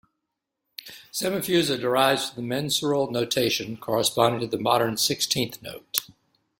"Semifusa" derives from the mensural notation corresponding to the modern sixteenth note.